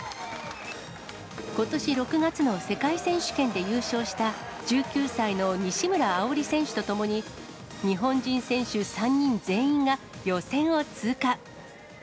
ことし６月の世界選手権で優勝した、１９歳の西村碧莉選手とともに、日本人選手３人全員が、予選を通過。